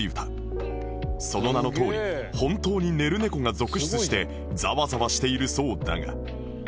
その名のとおり本当に寝る猫が続出してザワザワしているそうだが